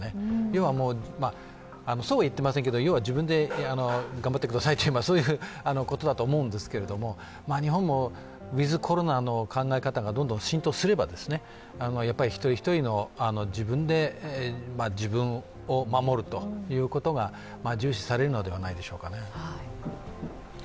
要は、そうはいっていませんが自分で頑張ってくださいという、そういうことだと思うんですけど日本もウィズ・コロナの考え方がどんどん浸透すれば、やっぱり一人一人の自分で自分を守るということが重視されるのではないでしょうか。